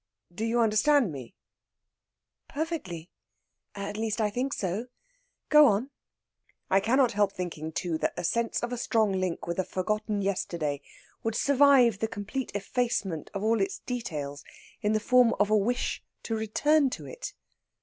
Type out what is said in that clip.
Do you understand me?" "Perfectly. At least, I think so. Go on." "I cannot help thinking, too, that a sense of a strong link with a forgotten yesterday would survive the complete effacement of all its details in the form of a wish to return to it.